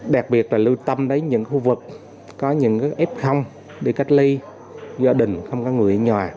đặc biệt là lưu tâm đến những khu vực có những f để cách ly gia đình không có người ở nhà